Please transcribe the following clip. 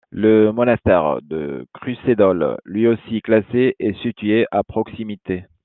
Le monastère de Krušedol, lui aussi classé, est situé à proximité.